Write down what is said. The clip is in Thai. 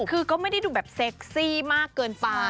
คือก็ไม่ได้ดูแบบเซ็กซี่มากเกินไป